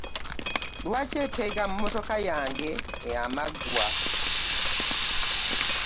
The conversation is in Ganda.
Lwaki etega emmotoka yange amagwa?